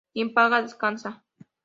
Quien paga, descansa